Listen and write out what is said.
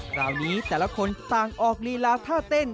คราวนี้แต่ละคนต่างออกลีลาท่าเต้น